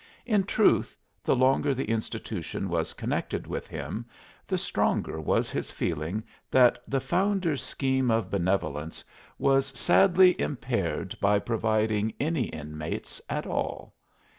In truth, the longer the institution was connected with him, the stronger was his feeling that the founder's scheme of benevolence was sadly impaired by providing any inmates at all.